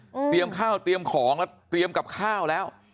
เตรียมข้าวเตรียมของแล้วเตรียมกับข้าวแล้ว